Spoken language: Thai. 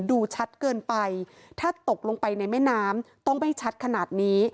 ดูชัดเกินไปถ้าตกลงไปในแม่น้ำต้องไม่ชัดขนาดนี้